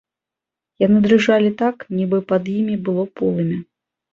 Яны дрыжалі так, нібы пад імі было полымя.